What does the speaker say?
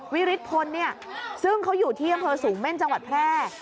วิฤทธพลเนี่ยซึ่งเขาอยู่ที่อำเภอสูงเม่นจังหวัดแพร่